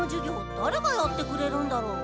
だれがやってくれるんだろう？